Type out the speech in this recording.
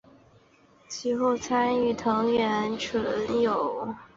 其后参与藤原纯友谋反后的余党平定工作。